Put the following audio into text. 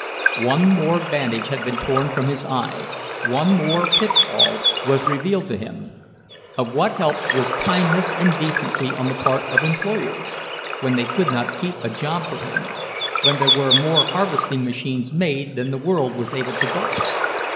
One more bandage had been torn from his eyes, one more pitfall was revealed to him! Of what help was kindness and decency on the part of employers—when they could not keep a job for him, when there were more harvesting machines made than the world was able to buy!